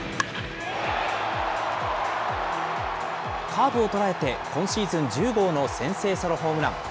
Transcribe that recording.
カーブを捉えて今シーズン１０号の先制ソロホームラン。